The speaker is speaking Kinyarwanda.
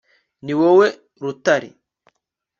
niwowe rutare